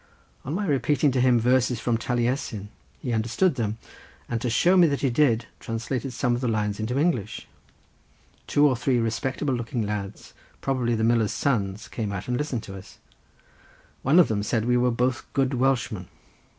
On my repeating to him verses from Taliesin he understood them, and to show me that he did translated some of the lines into English. Two or three respectable looking lads, probably the miller's sons, came out, and listened to us. One of them said we were both good Welshmen.